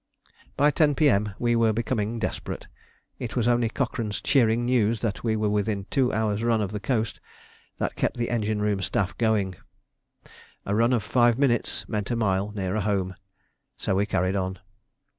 By 10 P.M. we were becoming desperate. It was only Cochrane's cheering news that we were within two hours' run of the coast that kept the engine room staff going. A run of five minutes meant a mile nearer home, so we carried on.